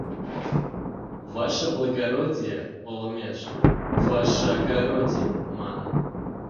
— «Ваше благородие» олмеш «ваше огороди», маныт.